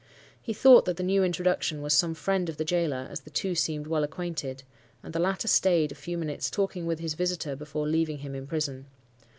He thought that the new introduction was some friend of the gaoler, as the two seemed well acquainted, and the latter stayed a few minutes talking with his visitor before leaving him in prison.